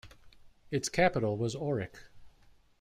Its capital was Aurich.